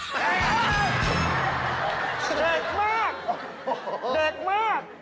ผมมาเป็นคนเดามอ